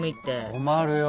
困るよ。